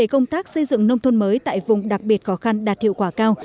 công tác xây dựng nông thôn mới tại vùng đặc biệt khó khăn đạt hiệu quả cao